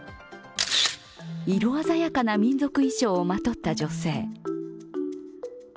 色鮮やかな民族衣装をまとった女性。